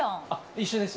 一緒です。